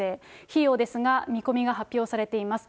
費用ですが、見込みが発表されています。